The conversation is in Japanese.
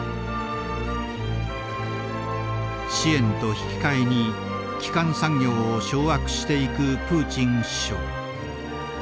支援と引き換えに基幹産業を掌握していくプーチン首相。